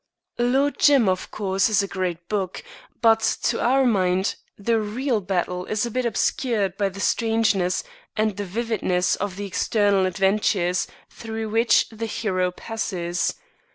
Lord Jim, of course, is a great book, but to our mind the real battle is a bit obscured by the strangeness and the vividness of the external adventures through which the hero passes.